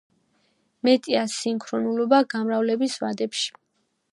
მეტია სინქრონულობა გამრავლების ვადებში.